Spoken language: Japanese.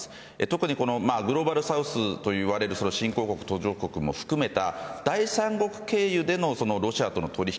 特にグローバルサウスといわれる新興国、途上国も含めた第三国経由でのロシアとの取引